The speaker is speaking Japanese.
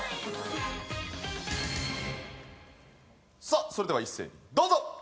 さあそれでは一斉にどうぞ！